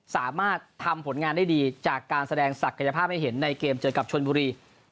สามารถทำผลงานได้ดีจากการแสดงศักยภาพให้เห็นในเกมเจอกับชนบุรี